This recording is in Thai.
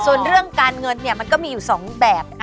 ส่วนเรื่องการเงินเนี่ยมันก็มีอยู่๒แบบ